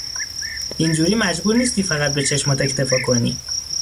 اینجوری مجبور نیستی فقط به چشمات اکتفا کنی